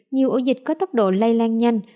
nhiều ổ dịch có tốc độ lây lan nhanh